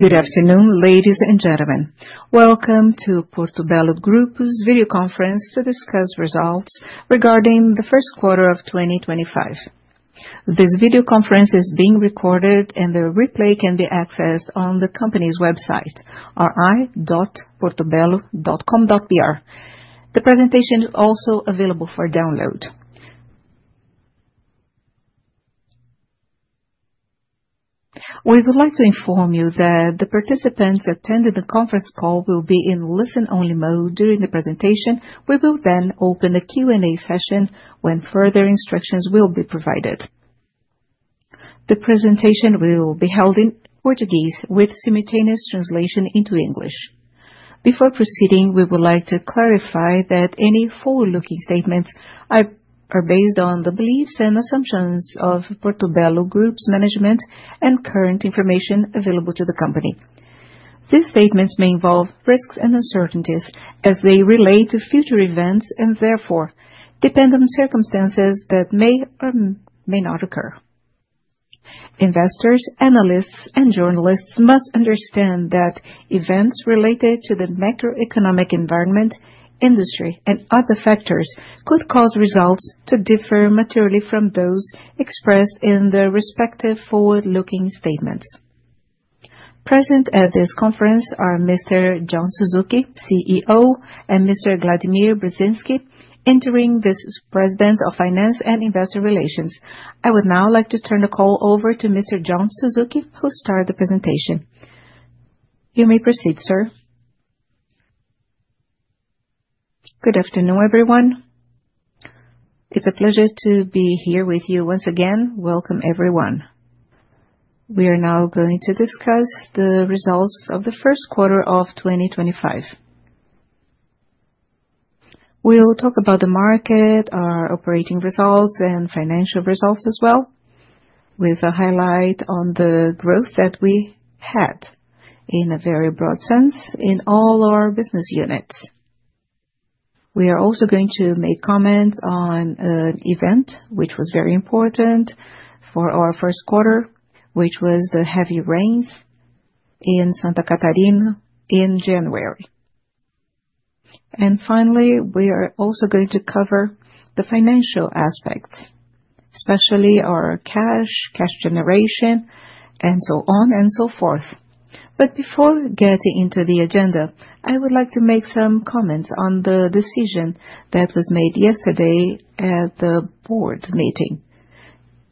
Good afternoon, ladies and gentlemen. Welcome to Portobello Group's video conference to discuss results regarding the first quarter of 2025. This video conference is being recorded, and the replay can be accessed on the company's website, ri.portobello.com.br. The presentation is also available for download. We would like to inform you that the participants attending the conference call will be in listen-only mode during the presentation. We will then open the Q&A session when further instructions will be provided. The presentation will be held in Portuguese with simultaneous translation into English. Before proceeding, we would like to clarify that any forward-looking statements are based on the beliefs and assumptions of Portobello Group's management and current information available to the company. These statements may involve risks and uncertainties as they relate to future events and, therefore, depend on circumstances that may or may not occur. Investors, analysts, and journalists must understand that events related to the macroeconomic environment, industry, and other factors could cause results to differ materially from those expressed in the respective forward-looking statements. Present at this conference are Mr. John Suzuki, CEO, and Mr. Vladimir Brzezinski, Interim Vice President of Finance and Investor Relations. I would now like to turn the call over to Mr. John Suzuki, who started the presentation. You may proceed, sir. Good afternoon, everyone. It's a pleasure to be here with you once again. Welcome, everyone. We are now going to discuss the results of the first quarter of 2025. We'll talk about the market, our operating results, and financial results as well, with a highlight on the growth that we had, in a very broad sense, in all our business units. We are also going to make comments on an event which was very important for our first quarter, which was the heavy rains in Santa Catarina in January. Finally, we are also going to cover the financial aspects, especially our cash, cash generation, and so on and so forth. Before getting into the agenda, I would like to make some comments on the decision that was made yesterday at the board meeting.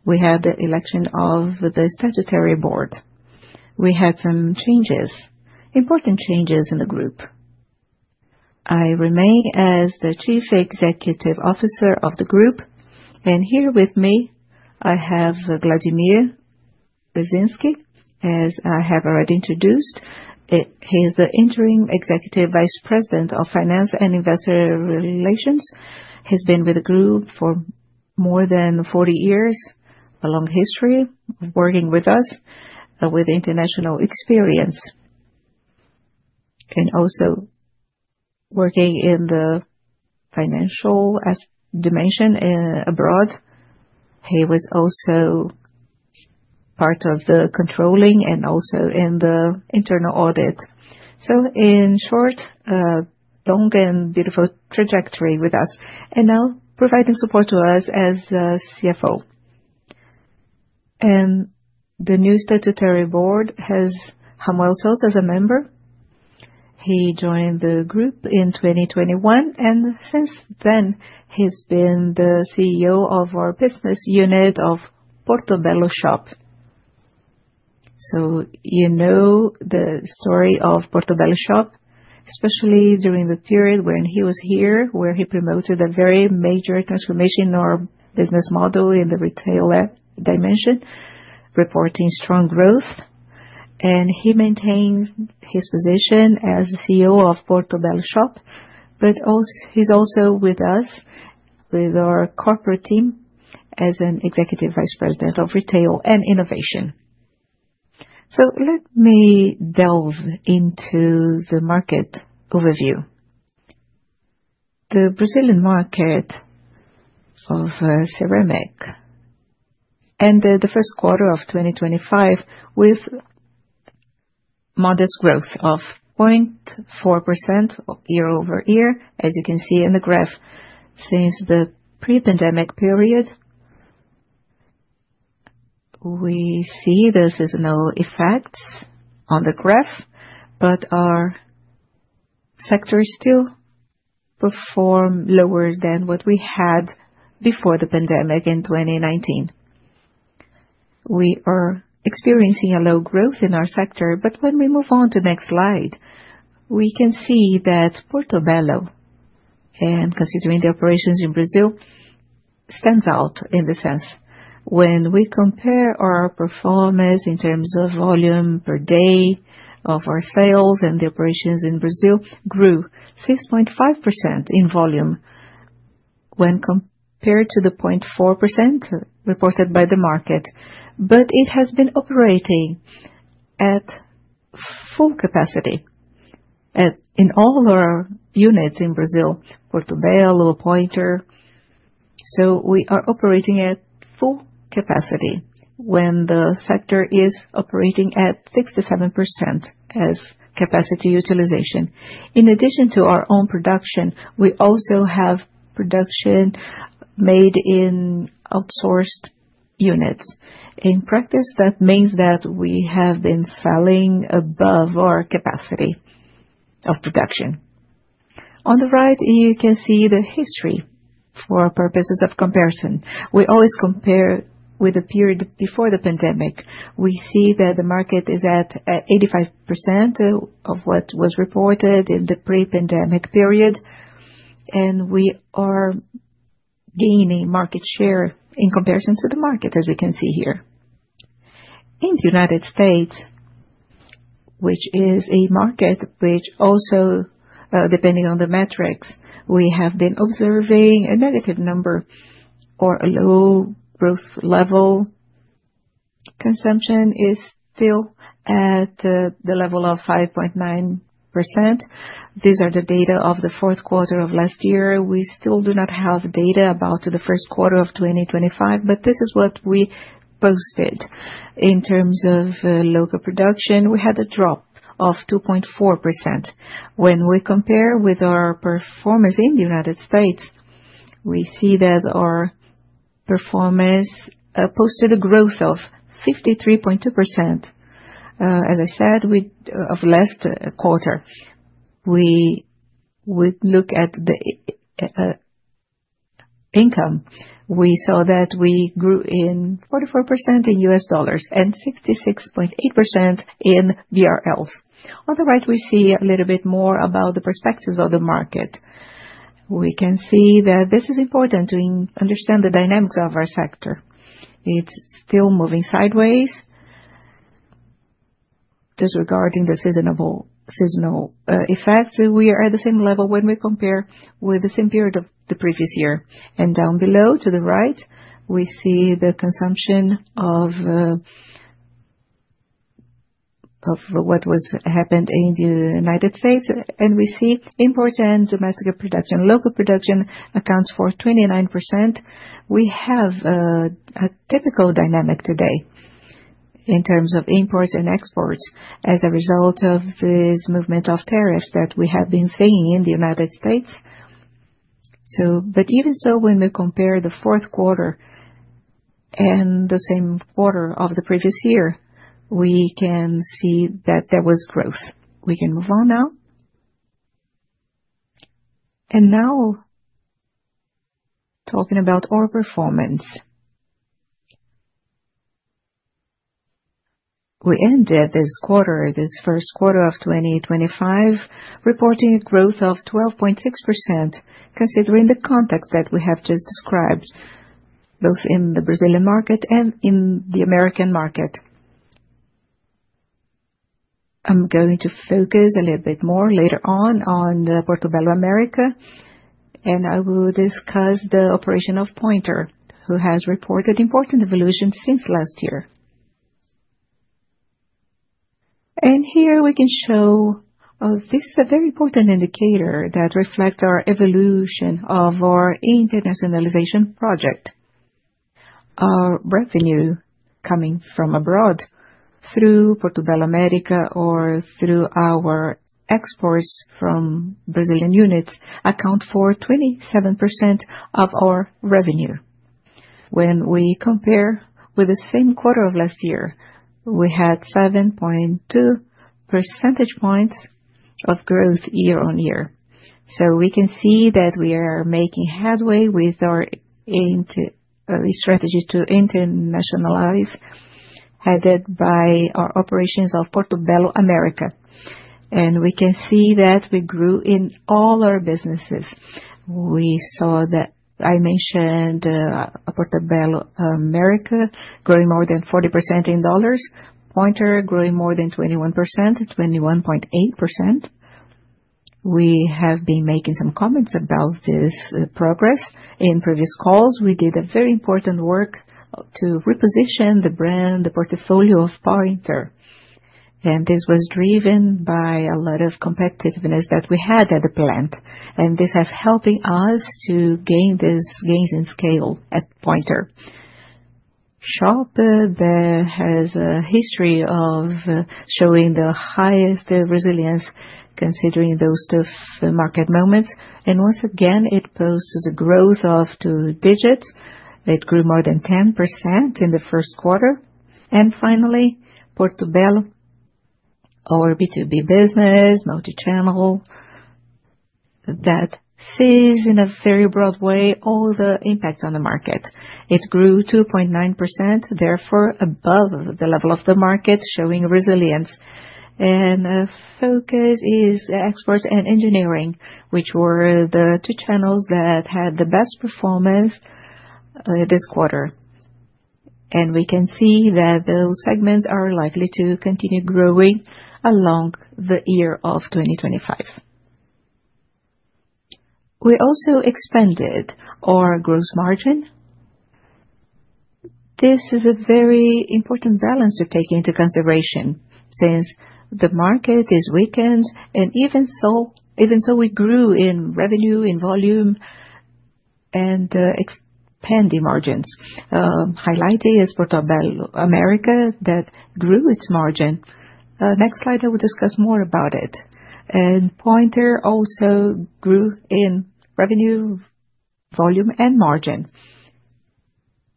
We had the election of the statutory board. We had some changes, important changes in the group. I remain as the Chief Executive Officer of the group, and here with me, I have Vladimir Brzezinski, as I have already introduced. He is the interim Executive Vice President of Finance and Investor Relations. He's been with the group for more than 40 years, a long history of working with us, with international experience, and also working in the financial dimension abroad. He was also part of the controlling and also in the internal audit. In short, a long and beautiful trajectory with us, and now providing support to us as CFO. The new statutory board has Hamuel Sosa as a member. He joined the group in 2021, and since then, he's been the CEO of our business unit of Portobello Shop. You know the story of Portobello Shop, especially during the period when he was here, where he promoted a very major transformation in our business model in the retail dimension, reporting strong growth. He maintains his position as the CEO of Portobello Shop, but he is also with us, with our corporate team, as an Executive Vice President of Retail and Innovation. Let me delve into the market overview. The Brazilian market of ceramic in the first quarter of 2025 had modest growth of 0.4% year over year, as you can see in the graph since the pre-pandemic period. We see this as no effects on the graph, but our sector still performs lower than what we had before the pandemic in 2019. We are experiencing low growth in our sector, but when we move on to the next slide, we can see that Portobello, and considering the operations in Brazil, stands out in this sense. When we compare our performance in terms of volume per day of our sales and the operations in Brazil, it grew 6.5% in volume when compared to the 0.4% reported by the market, but it has been operating at full capacity in all our units in Brazil, Portobello, Pointer. We are operating at full capacity when the sector is operating at 67% as capacity utilization. In addition to our own production, we also have production made in outsourced units. In practice, that means that we have been selling above our capacity of production. On the right, you can see the history for purposes of comparison. We always compare with the period before the pandemic. We see that the market is at 85% of what was reported in the pre-pandemic period, and we are gaining market share in comparison to the market, as we can see here. In the United States, which is a market which also, depending on the metrics, we have been observing a negative number or a low growth level. Consumption is still at the level of 5.9%. These are the data of the fourth quarter of last year. We still do not have data about the first quarter of 2025, but this is what we posted. In terms of local production, we had a drop of 2.4%. When we compare with our performance in the United States, we see that our performance posted a growth of 53.2%, as I said, of last quarter. We would look at the income. We saw that we grew in 44% in US dollars and 66.8% in BRL. On the right, we see a little bit more about the perspectives of the market. We can see that this is important to understand the dynamics of our sector. It's still moving sideways. Just regarding the seasonal effects, we are at the same level when we compare with the same period of the previous year. Down below to the right, we see the consumption of what was happened in the United States, and we see important domestic production. Local production accounts for 29%. We have a typical dynamic today in terms of imports and exports as a result of this movement of tariffs that we have been seeing in the United States. Even so, when we compare the fourth quarter and the same quarter of the previous year, we can see that there was growth. We can move on now. Now, talking about our performance, we ended this quarter, this first quarter of 2025, reporting a growth of 12.6%, considering the context that we have just described, both in the Brazilian market and in the US market. I'm going to focus a little bit more later on Portobello America, and I will discuss the operation of Pointer, who has reported important evolution since last year. Here we can show this is a very important indicator that reflects our evolution of our internationalization project. Our revenue coming from abroad through Portobello America or through our exports from Brazilian units accounts for 27% of our revenue. When we compare with the same quarter of last year, we had 7.2 percentage points of growth year on year. We can see that we are making headway with our strategy to internationalize, headed by our operations of Portobello America. We can see that we grew in all our businesses. We saw that I mentioned Portobello America growing more than 40% in dollars, Pointer growing more than 21%, 21.8%. We have been making some comments about this progress. In previous calls, we did very important work to reposition the brand, the portfolio of Pointer, and this was driven by a lot of competitiveness that we had at the plant. This has helped us to gain these gains in scale at Pointer. Shop has a history of showing the highest resilience considering those tough market moments. Once again, it posts the growth of two digits. It grew more than 10% in the first quarter. Finally, Portobello, our B2B business, multi-channel, that sees in a very broad way all the impact on the market. It grew 2.9%, therefore above the level of the market, showing resilience. The focus is exports and engineering, which were the two channels that had the best performance this quarter. We can see that those segments are likely to continue growing along the year of 2025. We also expanded our gross margin. This is a very important balance to take into consideration since the market is weakened. Even so, we grew in revenue, in volume, and expanding margins, highlighting Portobello America that grew its margin. Next slide, I will discuss more about it. Pointer also grew in revenue, volume, and margin.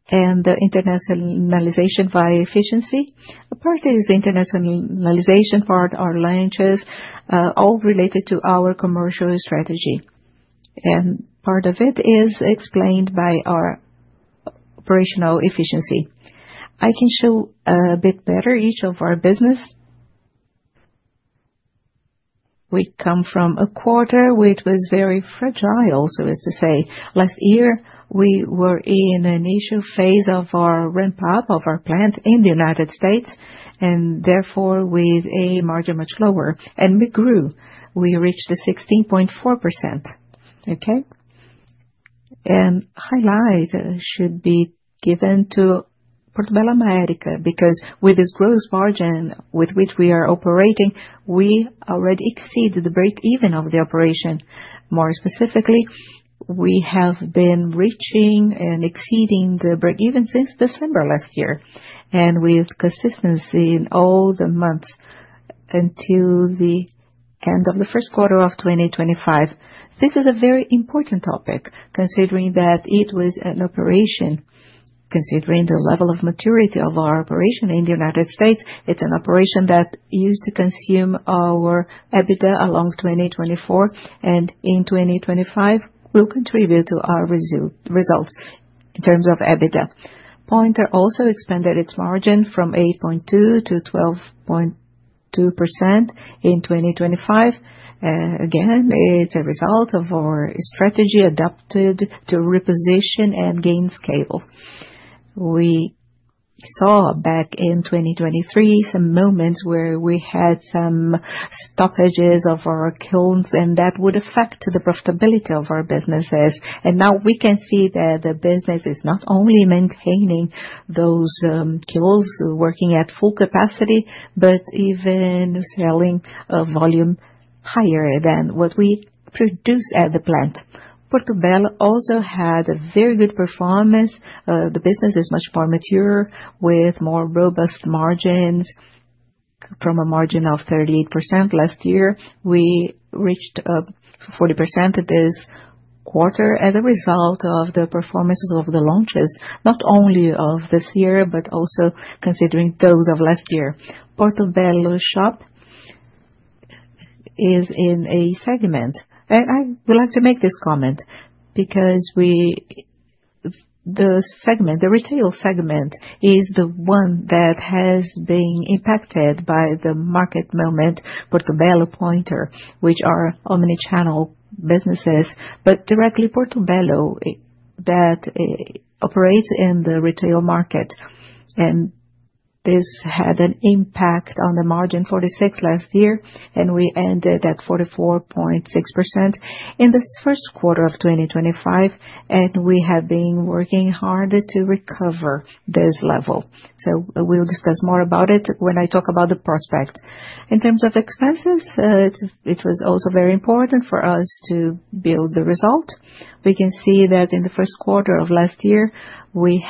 The internationalization by efficiency, apart from the internationalization part, our launches, all related to our commercial strategy. Part of it is explained by our operational efficiency. I can show a bit better each of our businesses. We come from a quarter which was very fragile, so as to say. Last year, we were in an issue phase of our ramp-up of our plant in the United States, and therefore with a margin much lower. We grew. We reached 16.4%. Okay? Highlight should be given to Portobello America because with this gross margin with which we are operating, we already exceeded the break-even of the operation. More specifically, we have been reaching and exceeding the break-even since December last year, and with consistency in all the months until the end of the first quarter of 2025. This is a very important topic, considering that it was an operation, considering the level of maturity of our operation in the United States. It is an operation that used to consume our EBITDA along 2024, and in 2025, will contribute to our results in terms of EBITDA. Pointer also expanded its margin from 8.2% to 12.2% in 2025. Again, it's a result of our strategy adapted to reposition and gain scale. We saw back in 2023 some moments where we had some stoppages of our kilns, and that would affect the profitability of our businesses. Now we can see that the business is not only maintaining those kilns, working at full capacity, but even selling a volume higher than what we produce at the plant. Portobello also had a very good performance. The business is much more mature with more robust margins. From a margin of 38% last year, we reached 40% this quarter as a result of the performances of the launches, not only of this year, but also considering those of last year. Portobello Shop is in a segment. I would like to make this comment because the retail segment is the one that has been impacted by the market moment, Portobello Pointer, which are omnichannel businesses, but directly Portobello that operates in the retail market. This had an impact on the margin, 46% last year, and we ended at 44.6% in this first quarter of 2025, and we have been working hard to recover this level. We will discuss more about it when I talk about the prospect. In terms of expenses, it was also very important for us to build the result. We can see that in the first quarter of last year, we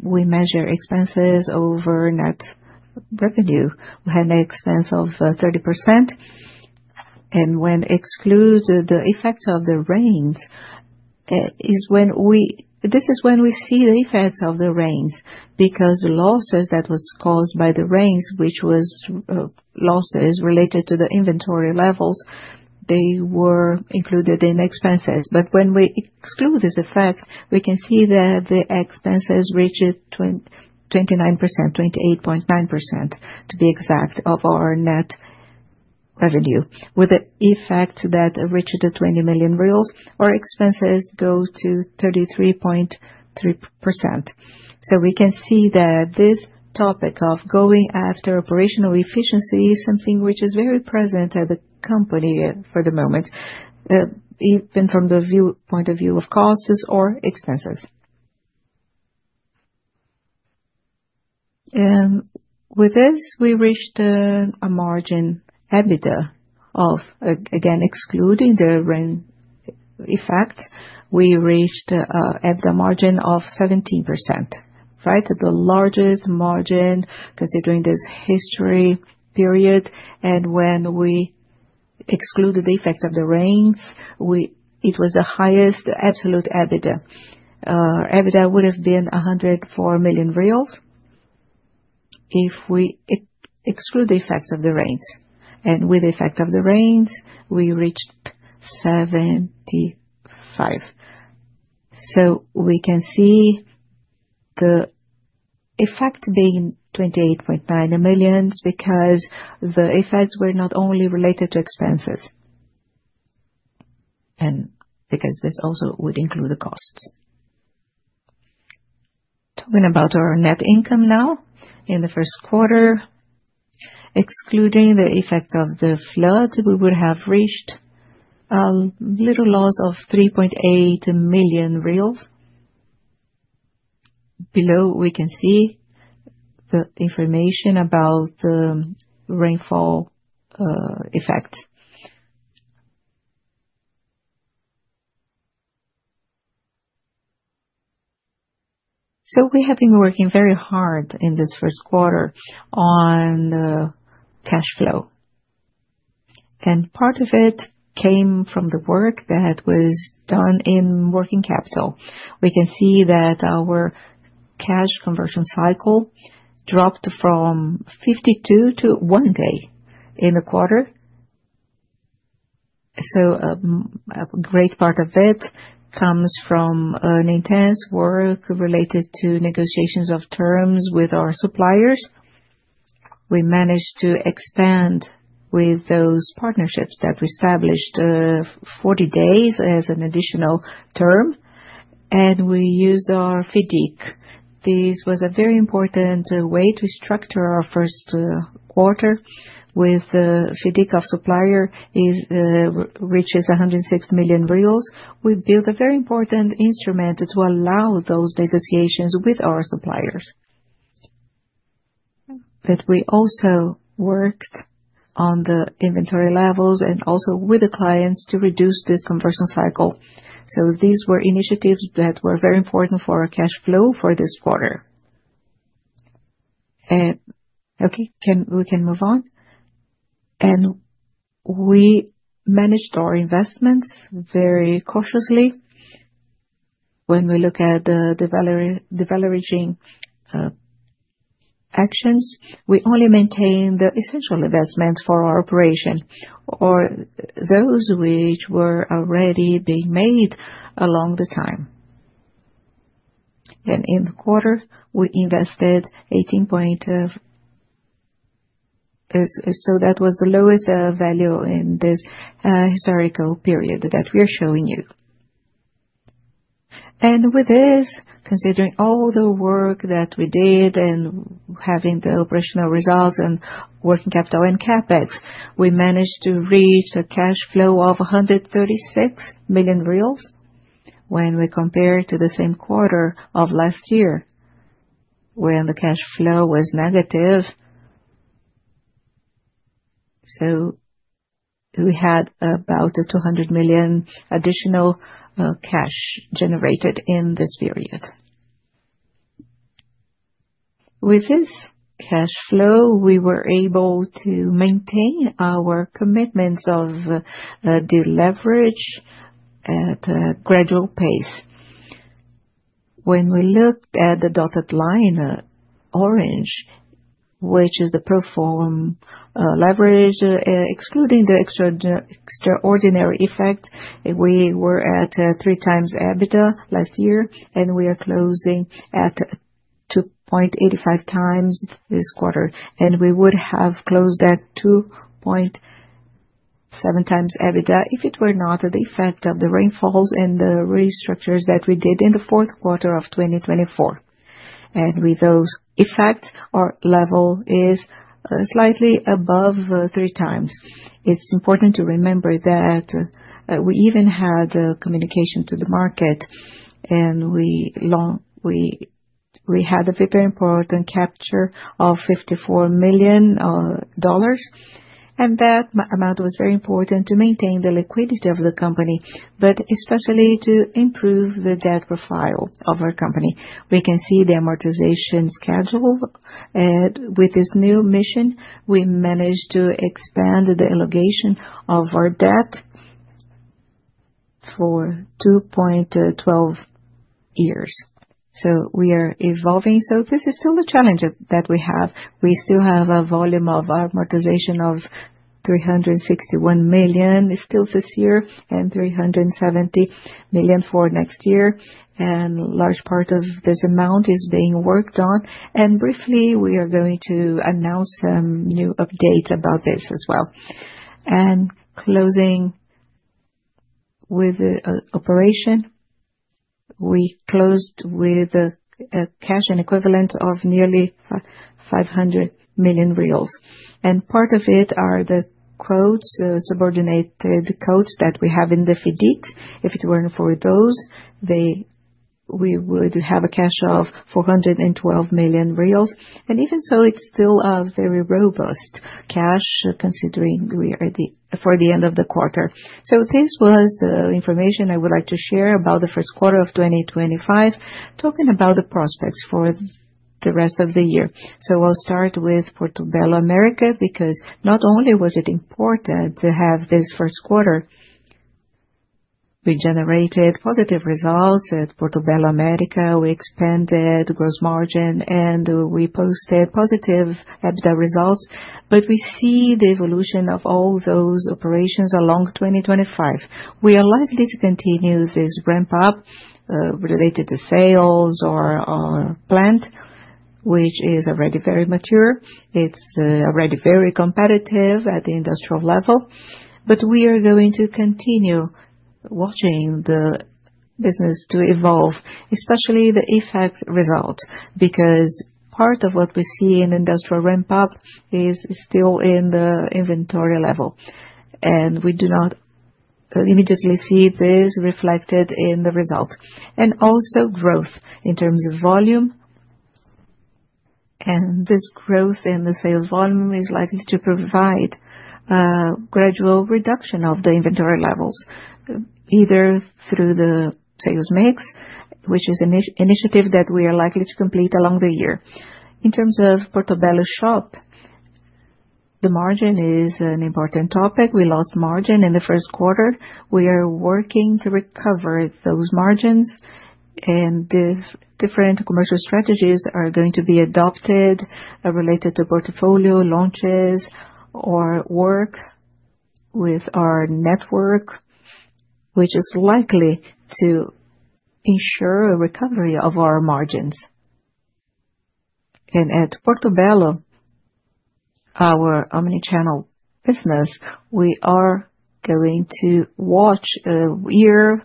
measure expenses over net revenue. We had an expense of 30%. When we exclude the effect of the rains, this is when we see the effects of the rains because the losses that were caused by the rains, which were losses related to the inventory levels, they were included in expenses. When we exclude this effect, we can see that the expenses reached 29%, 28.9% to be exact, of our net revenue, with the effect that reached BRL 20 million. Our expenses go to 33.3%. We can see that this topic of going after operational efficiency is something which is very present at the company for the moment, even from the point of view of costs or expenses. With this, we reached a margin EBITDA of, again, excluding the effects, we reached an EBITDA margin of 17%, right? The largest margin considering this history period. When we excluded the effects of the rains, it was the highest absolute EBITDA. EBITDA would have been 104 million reais if we excluded the effects of the rains. With the effect of the rains, we reached 75 million. We can see the effect being 28.9 million because the effects were not only related to expenses and because this also would include the costs. Talking about our net income now, in the first quarter, excluding the effect of the floods, we would have reached a little loss of 3.8 million reais. Below, we can see the information about the rainfall effect. We have been working very hard in this first quarter on cash flow. Part of it came from the work that was done in working capital. We can see that our cash conversion cycle dropped from 52 to 1 day in the quarter. A great part of it comes from intense work related to negotiations of terms with our suppliers. We managed to expand with those partnerships that we established 40 days as an additional term, and we used our FIDC. This was a very important way to structure our first quarter with the FIDC of supplier reaches 106 million. We built a very important instrument to allow those negotiations with our suppliers. We also worked on the inventory levels and also with the clients to reduce this conversion cycle. These were initiatives that were very important for our cash flow for this quarter. Okay, we can move on. We managed our investments very cautiously. When we look at the value-riching actions, we only maintained the essential investments for our operation or those which were already being made along the time. In the quarter, we invested 18.0 million. That was the lowest value in this historical period that we are showing you. With this, considering all the work that we did and having the operational results and working capital and CapEx, we managed to reach a cash flow of 136 million reais when we compare to the same quarter of last year when the cash flow was negative. We had about 200 million additional cash generated in this period. With this cash flow, we were able to maintain our commitments of the leverage at a gradual pace. When we looked at the dotted line, orange, which is the proforma leverage, excluding the extraordinary effect, we were at 3 times EBITDA last year, and we are closing at 2.85 times this quarter. We would have closed at 2.7 times EBITDA if it were not the effect of the rainfalls and the restructures that we did in the fourth quarter of 2024. With those effects, our level is slightly above three times. It's important to remember that we even had communication to the market, and we had a very important capture of $54 million, and that amount was very important to maintain the liquidity of the company, but especially to improve the debt profile of our company. We can see the amortization schedule. With this new issuance, we managed to expand the allocation of our debt for 2.12 years. We are evolving. This is still a challenge that we have. We still have a volume of amortization of 361 million still this year and 370 million for next year. A large part of this amount is being worked on. Briefly, we are going to announce some new updates about this as well. Closing with the operation, we closed with cash and equivalents of nearly 500 million reais. Part of it is the quotas, subordinated quotas that we have in the FIDC. If it were not for those, we would have cash of BRL 412 million. Even so, it is still very robust cash considering we are at the end of the quarter. This was the information I would like to share about the first quarter of 2025, talking about the prospects for the rest of the year. I will start with Portobello America because not only was it important to have this first quarter, we generated positive results at Portobello America. We expanded gross margin, and we posted positive EBITDA results. We see the evolution of all those operations along 2025. We are likely to continue this ramp-up related to sales or our plant, which is already very mature. It is already very competitive at the industrial level. We are going to continue watching the business to evolve, especially the effect result, because part of what we see in the industrial ramp-up is still in the inventory level. We do not immediately see this reflected in the result. Also, growth in terms of volume. This growth in the sales volume is likely to provide a gradual reduction of the inventory levels, either through the sales mix, which is an initiative that we are likely to complete along the year. In terms of Portobello Shop, the margin is an important topic. We lost margin in the first quarter. We are working to recover those margins, and different commercial strategies are going to be adopted related to portfolio launches or work with our network, which is likely to ensure a recovery of our margins. At Portobello, our omnichannel business, we are going to watch a year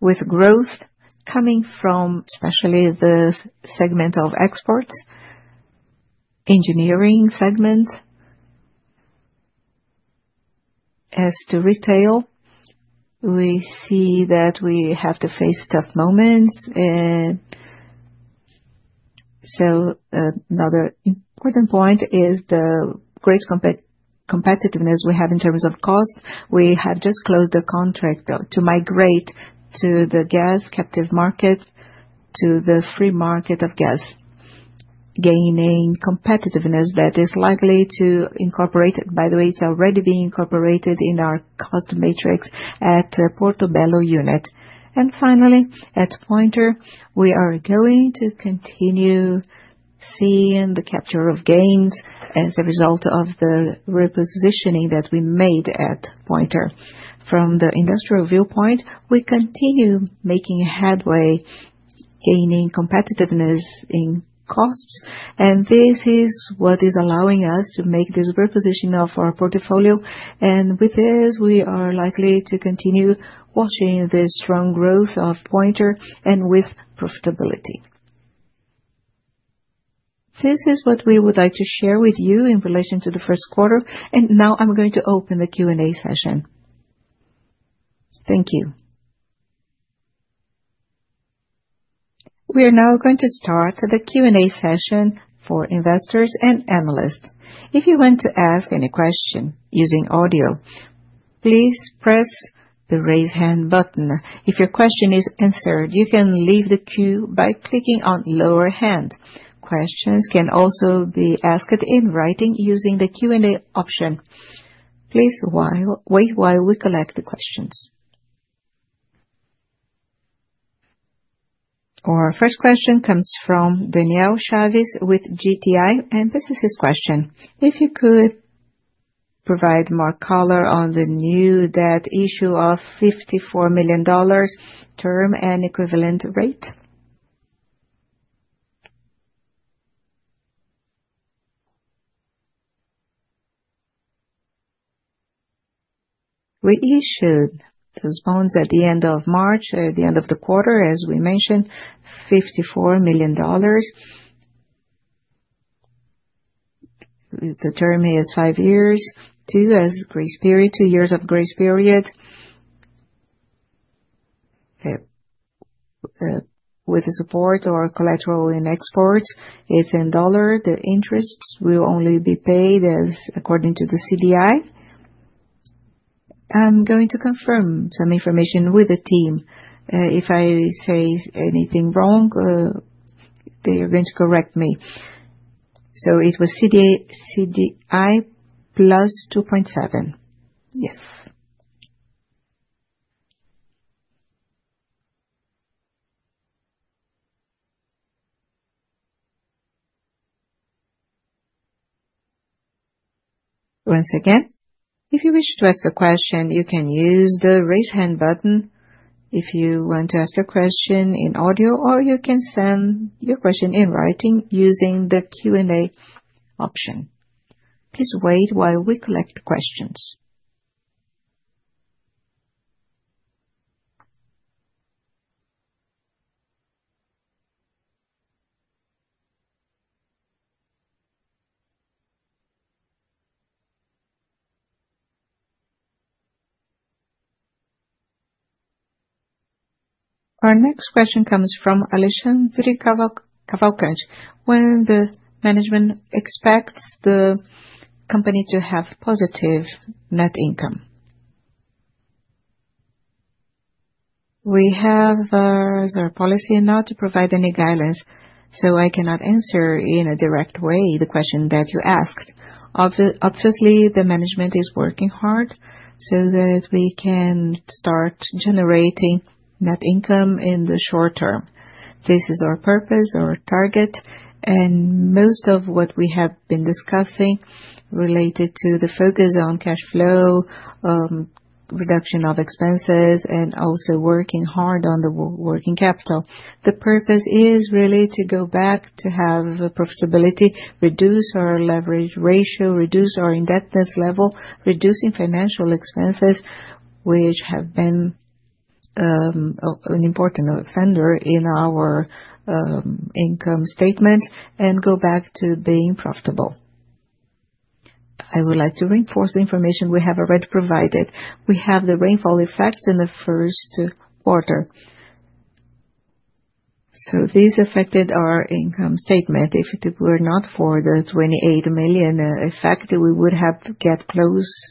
with growth coming from especially the segment of exports, engineering segment. As to retail, we see that we have to face tough moments. Another important point is the great competitiveness we have in terms of cost. We have just closed the contract to migrate to the gas captive market, to the free market of gas, gaining competitiveness that is likely to incorporate. By the way, it is already being incorporated in our cost matrix at Portobello unit. Finally, at Pointer, we are going to continue seeing the capture of gains as a result of the repositioning that we made at Pointer. From the industrial viewpoint, we continue making headway, gaining competitiveness in costs. This is what is allowing us to make this repositioning of our portfolio. With this, we are likely to continue watching the strong growth of Pointer and with profitability. This is what we would like to share with you in relation to the first quarter. Now I am going to open the Q&A session. Thank you. We are now going to start the Q&A session for investors and analysts. If you want to ask any question using audio, please press the raise hand button. If your question is answered, you can leave the queue by clicking on lower hand. Questions can also be asked in writing using the Q&A option. Please wait while we collect the questions. Our first question comes from Daniel Chavez with GTI, and this is his question. If you could provide more color on the new debt issue of $54 million term and equivalent rate. We issued those bonds at the end of March, at the end of the quarter, as we mentioned, $54 million. The term is five years, two years of grace period. With the support or collateral in exports, it's in dollar. The interest will only be paid according to the CDI. I'm going to confirm some information with the team. If I say anything wrong, they are going to correct me. It was CDI plus 2.7. Yes. Once again, if you wish to ask a question, you can use the raise hand button if you want to ask a question in audio, or you can send your question in writing using the Q&A option. Please wait while we collect questions. Our next question comes from Alysha Zurikavach. When the management expects the company to have positive net income? We have our policy not to provide any guidance, so I cannot answer in a direct way the question that you asked. Obviously, the management is working hard so that we can start generating net income in the short term. This is our purpose, our target, and most of what we have been discussing related to the focus on cash flow, reduction of expenses, and also working hard on the working capital. The purpose is really to go back to have profitability, reduce our leverage ratio, reduce our indebtedness level, reducing financial expenses, which have been an important offender in our income statement, and go back to being profitable. I would like to reinforce the information we have already provided. We have the rainfall effects in the first quarter. These affected our income statement. If it were not for the BRL 28 million effect, we would have got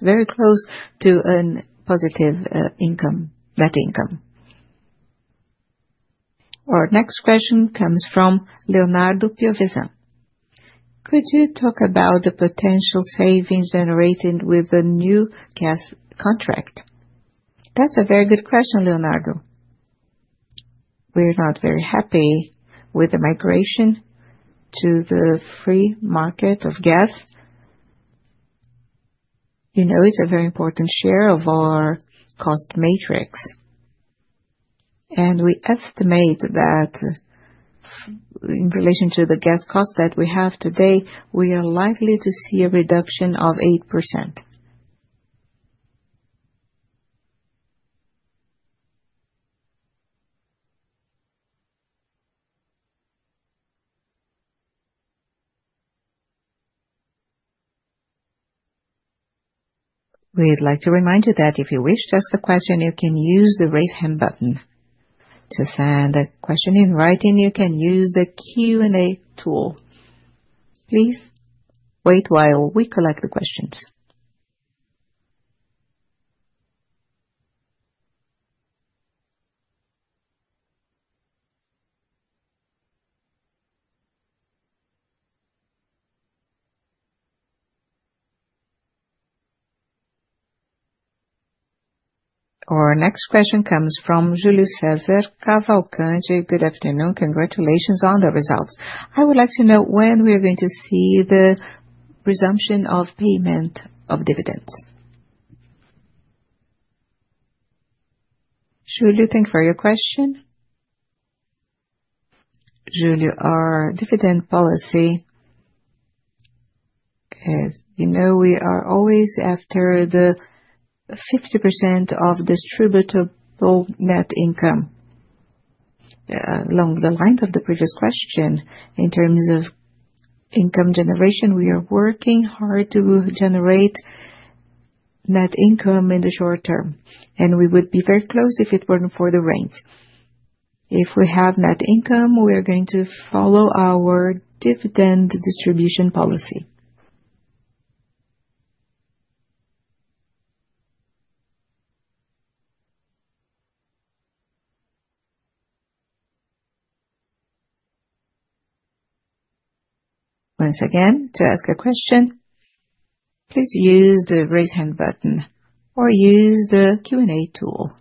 very close to a positive net income. Our next question comes from Leonardo Piovizza. Could you talk about the potential savings generated with the new gas contract? That's a very good question, Leonardo. We're not very happy with the migration to the free market of gas. You know, it's a very important share of our cost matrix. And we estimate that in relation to the gas cost that we have today, we are likely to see a reduction of 8%. We'd like to remind you that if you wish to ask a question, you can use the raise hand button. To send a question in writing, you can use the Q&A tool. Please wait while we collect the questions. Our next question comes from Julio César Cavalcante. G ood afternoon. Congratulations on the results. I would like to know when we are going to see the resumption of payment of dividends. Julio, thank you for your question. Julio, our dividend policy, as you know, we are always after the 50% of distributable net income. Along the lines of the previous question, in terms of income generation, we are working hard to generate net income in the short term, and we would be very close if it were not for the rain. If we have net income, we are going to follow our dividend distribution policy. Once again, to ask a question, please use the raise hand button or use the Q&A tool.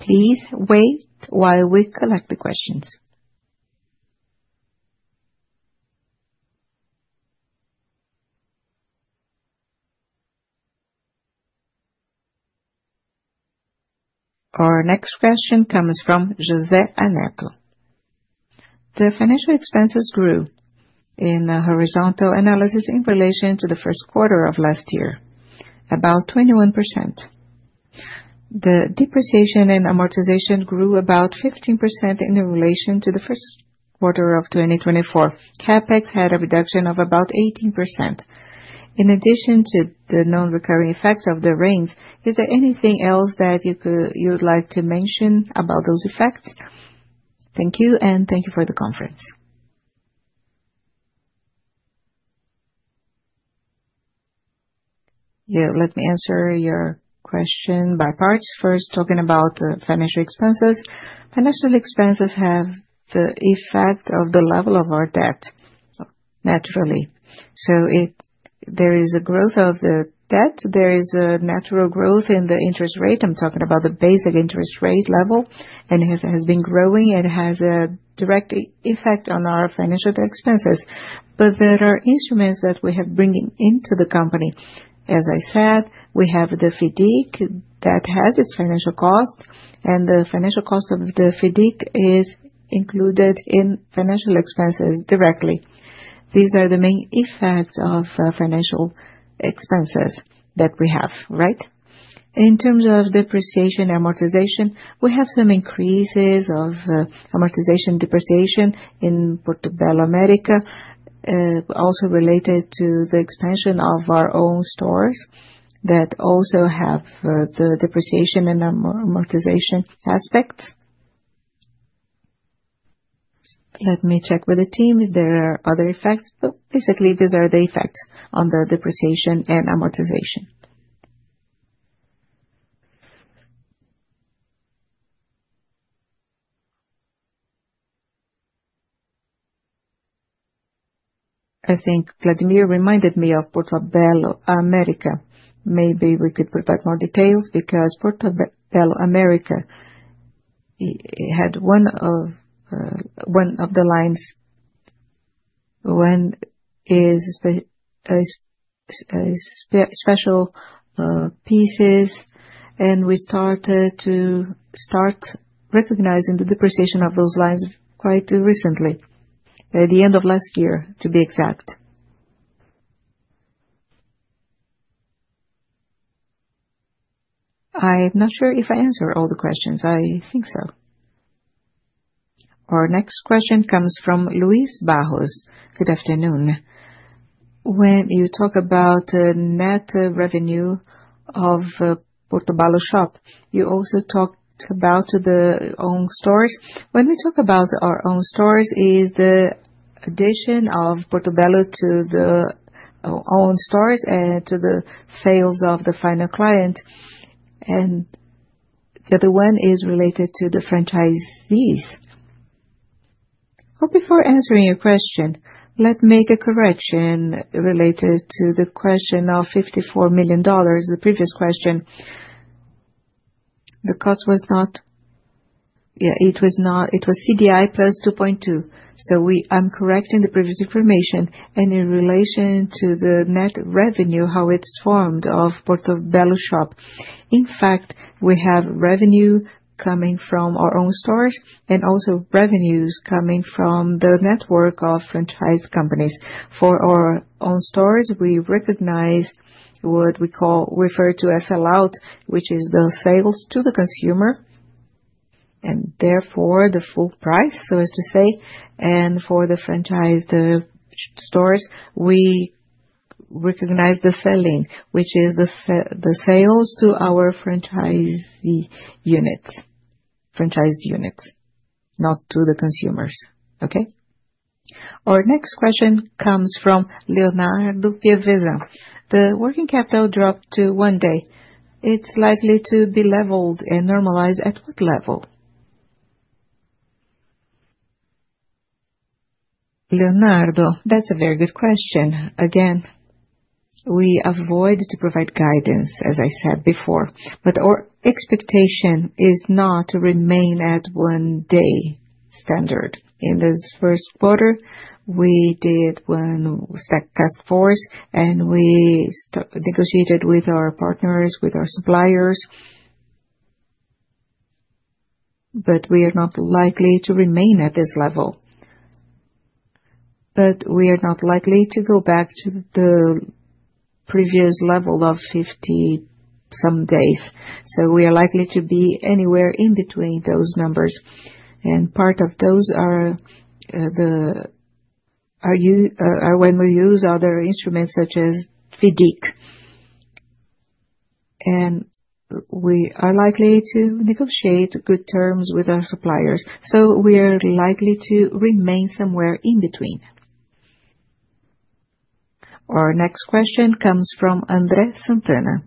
Please wait while we collect the questions. Our next question comes from José Aneto. The financial expenses grew in horizontal analysis in relation to the first quarter of last year, about 21%. The depreciation and amortization grew about 15% in relation to the first quarter of 2024. CapEx had a reduction of about 18%. In addition to the known recurring effects of the rains, is there anything else that you'd like to mention about those effects? Thank you, and thank you for the conference. Yeah, let me answer your question by parts. First, talking about financial expenses. Financial expenses have the effect of the level of our debt, naturally. There is a growth of the debt. There is a natural growth in the interest rate. I'm talking about the basic interest rate level, and it has been growing and has a direct effect on our financial expenses. There are instruments that we have bringing into the company. As I said, we have the FIDC that has its financial cost, and the financial cost of the FIDC is included in financial expenses directly. These are the main effects of financial expenses that we have, right? In terms of depreciation and amortization, we have some increases of amortization and depreciation in Portobello America, also related to the expansion of our own stores that also have the depreciation and amortization aspects. Let me check with the team if there are other effects, but basically, these are the effects on the depreciation and amortization. I think Vladimir reminded me of Portobello America. Maybe we could provide more details because Portobello America had one of the lines when special pieces, and we started to start recognizing the depreciation of those lines quite recently, at the end of last year, to be exact. I'm not sure if I answered all the questions. I think so. Our next question comes from Luis Bajos. Good afternoon. When you talk about the net revenue of Portobello Shop, you also talked about the own stores. When we talk about our own stores, it is the addition of Portobello to the own stores and to the sales of the final client. The other one is related to the franchisees. Before answering your question, let me make a correction related to the question of $54 million. The previous question, the cost was not, yeah, it was CDI plus 2.2%. I am correcting the previous information. In relation to the net revenue, how it is formed for Portobello Shop, in fact, we have revenue coming from our own stores and also revenues coming from the network of franchise companies. For our own stores, we recognize what we call, refer to as sellout, which is the sales to the consumer, and therefore the full price, so as to say. For the franchise stores, we recognize the selling, which is the sales to our franchisee units, franchised units, not to the consumers. Okay? Our next question comes from Leonardo Piovizza. The working capital dropped to one day. It's likely to be leveled and normalized at what level? Leonardo, that's a very good question. Again, we avoid to provide guidance, as I said before, but our expectation is not to remain at one-day standard. In this first quarter, we did one stack task force, and we negotiated with our partners, with our suppliers, but we are not likely to remain at this level. We are not likely to go back to the previous level of 50-some days. We are likely to be anywhere in between those numbers. Part of those are when we use other instruments such as FIDC. We are likely to negotiate good terms with our suppliers. We are likely to remain somewhere in between. Our next question comes from Andrea Santana.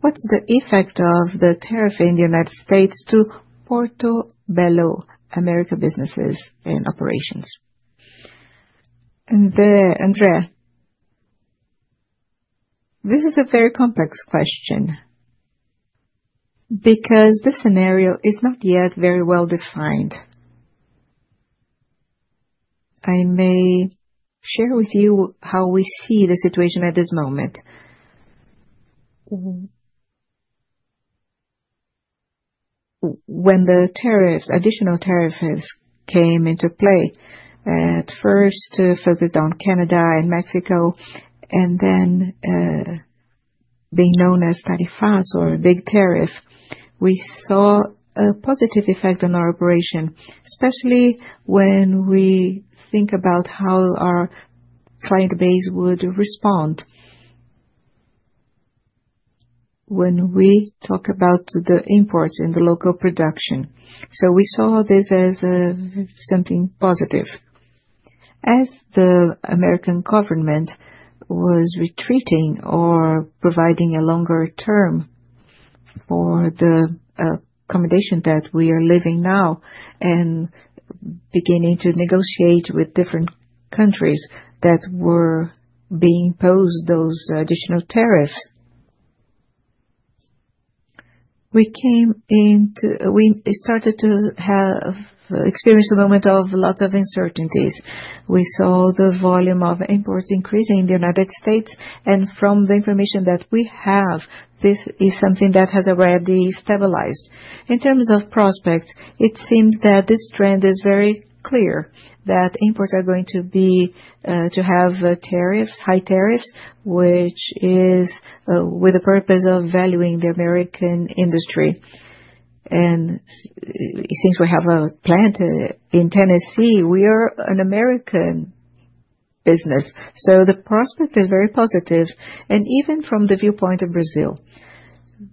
What is the effect of the tariff in the United States to Portobello America businesses and operations? Andrea, this is a very complex question because this scenario is not yet very well defined. I may share with you how we see the situation at this moment. When the tariffs, additional tariffs, came into play, at first focused on Canada and Mexico, and then being known as tariffas or big tariff, we saw a positive effect on our operation, especially when we think about how our client base would respond when we talk about the imports and the local production. We saw this as something positive. As the American government was retreating or providing a longer term for the accommodation that we are living now and beginning to negotiate with different countries that were being imposed those additional tariffs, we started to have experienced a moment of lots of uncertainties. We saw the volume of imports increasing in the United States. From the information that we have, this is something that has already stabilized. In terms of prospects, it seems that this trend is very clear that imports are going to have tariffs, high tariffs, which is with the purpose of valuing the American industry. Since we have a plant in Tennessee, we are an American business. The prospect is very positive. Even from the viewpoint of Brazil,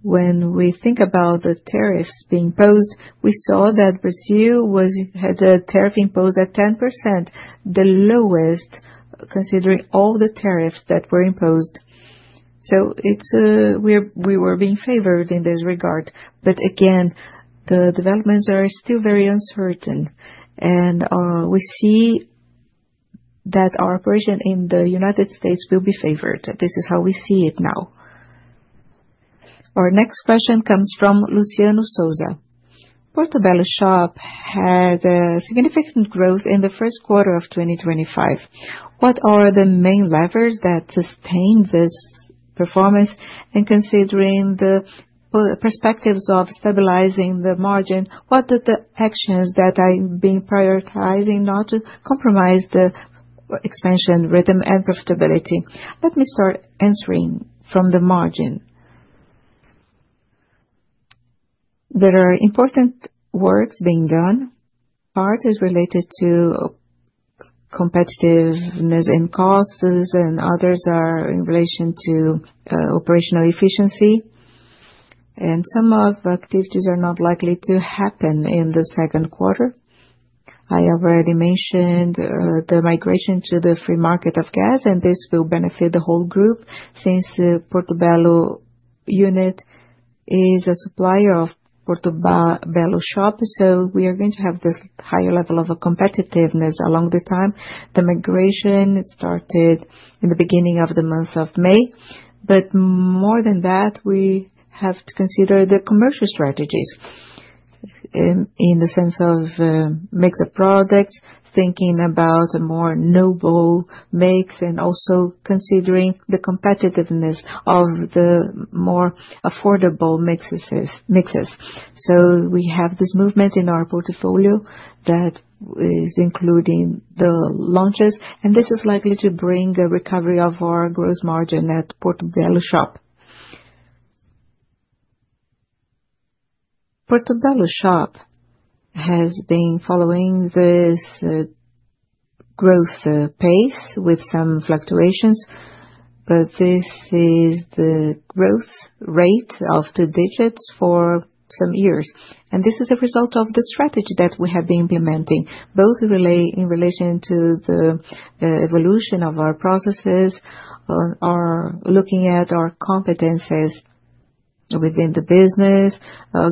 when we think about the tariffs being imposed, we saw that Brazil had a tariff imposed at 10%, the lowest considering all the tariffs that were imposed. We were being favored in this regard. The developments are still very uncertain. We see that our operation in the U.S. will be favored. This is how we see it now. Our next question comes from Luciano Sosa. Portobello Shop had significant growth in the first quarter of 2025. What are the main levers that sustain this performance? Considering the perspectives of stabilizing the margin, what are the actions that are being prioritized not to compromise the expansion rhythm and profitability? Let me start answering from the margin. There are important works being done. Part is related to competitiveness and costs, and others are in relation to operational efficiency. Some of the activities are not likely to happen in the second quarter. I already mentioned the migration to the free market of gas, and this will benefit the whole group since the Portobello unit is a supplier of Portobello Shop. We are going to have this higher level of competitiveness along the time. The migration started in the beginning of the month of May. More than that, we have to consider the commercial strategies in the sense of mix of products, thinking about a more noble mix and also considering the competitiveness of the more affordable mixes. We have this movement in our portfolio that is including the launches, and this is likely to bring a recovery of our gross margin at Portobello Shop. Portobello Shop has been following this growth pace with some fluctuations, but this is the growth rate of two digits for some years. This is a result of the strategy that we have been implementing, both in relation to the evolution of our processes, looking at our competencies within the business,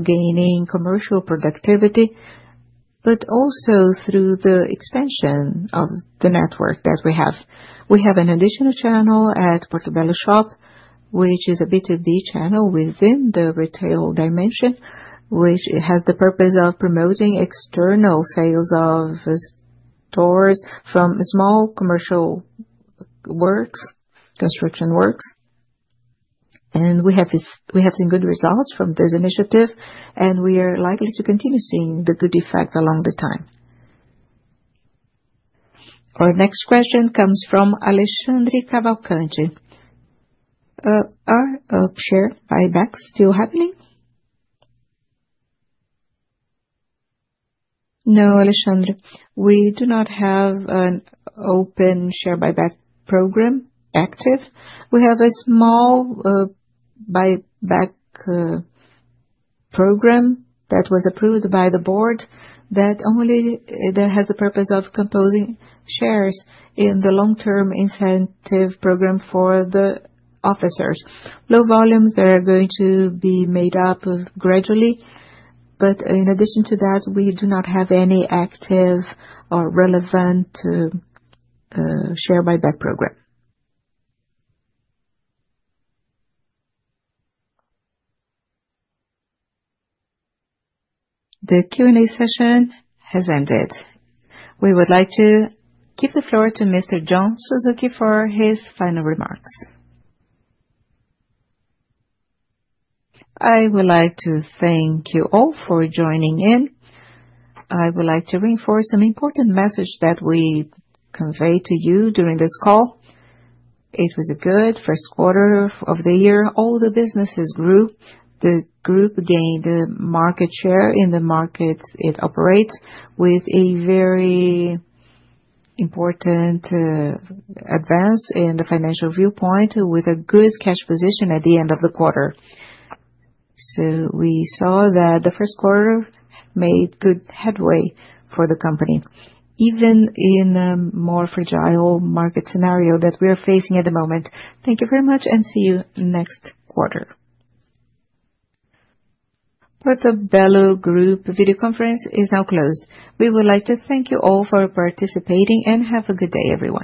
gaining commercial productivity, but also through the expansion of the network that we have. We have an additional channel at Portobello Shop, which is a B2B channel within the retail dimension, which has the purpose of promoting external sales of stores from small commercial works, construction works. We have seen good results from this initiative, and we are likely to continue seeing the good effects along the time. Our next question comes from Alexandre Cavalcanti. Are share buybacks still happening? No, Alexandre. We do not have an open share buyback program active. We have a small buyback program that was approved by the board that only has the purpose of composing shares in the long-term incentive program for the officers. Low volumes that are going to be made up gradually, but in addition to that, we do not have any active or relevant share buyback program. The Q&A session has ended. We would like to give the floor to Mr. John Suzuki for his final remarks. I would like to thank you all for joining in. I would like to reinforce some important messages that we conveyed to you during this call. It was a good first quarter of the year. All the businesses grew. The group gained market share in the markets it operates with a very important advance in the financial viewpoint with a good cash position at the end of the quarter. We saw that the first quarter made good headway for the company, even in a more fragile market scenario that we are facing at the moment. Thank you very much, and see you next quarter. Portobello Group video conference is now closed. We would like to thank you all for participating and have a good day, everyone.